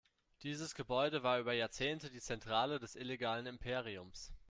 Dieses Gebäude war über Jahrzehnte die Zentrale des illegalen Imperiums.